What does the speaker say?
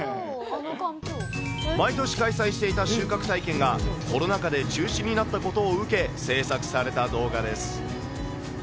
毎年開催していた収穫体験が、コロナ禍で中止になったことを受け、制作された動画です。